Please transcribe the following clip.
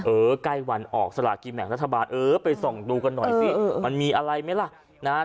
เออใกล้วันออกสลากินแบ่งรัฐบาลเออไปส่องดูกันหน่อยสิมันมีอะไรไหมล่ะนะฮะ